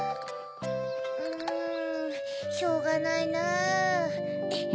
うんしょうがないなぁ。